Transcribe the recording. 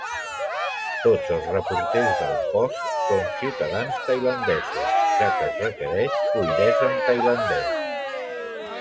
Tots els reporters del "Post" són ciutadans tailandesos, ja que es requereix fluïdesa en tailandès.